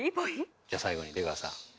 じゃあ最後に出川さん。